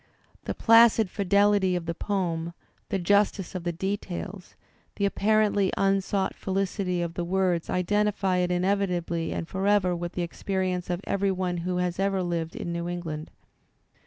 The placid fidelity of the poem, the justice of the details, the apparently unsought felicity of the words identify it inevitably and forever with the experience of every one who has lived in New England.